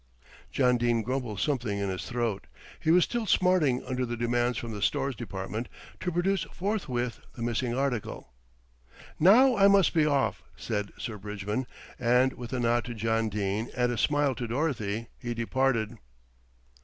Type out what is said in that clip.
John Dene grumbled something in his throat. He was still smarting under the demands from the Stores Department to produce forthwith the missing article. "Now I must be off," said Sir Bridgman, and with a nod to John Dene and a smile to Dorothy he departed.